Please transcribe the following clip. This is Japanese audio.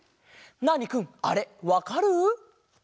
ナーニくんあれわかる？